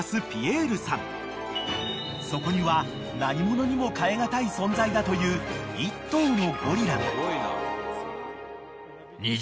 ［そこには何物にも代え難い存在だという１頭のゴリラが］